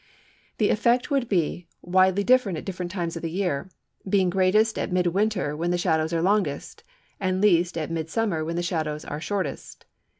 The effect would be widely different at different times of the year, being greatest at mid winter when the shadows are longest, and least at mid summer when the shadows are shortest.